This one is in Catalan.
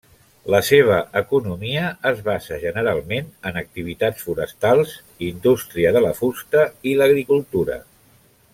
La seva economia es basa generalment en activitats forestals, indústria de la fusta i l'agricultura.